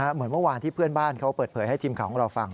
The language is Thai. เหมือนเมื่อวานที่เพื่อนบ้านเขาเปิดเผยให้ทีมข่าวของเราฟัง